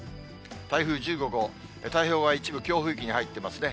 台風１５号、太平洋側、一部、強風域に入ってますね。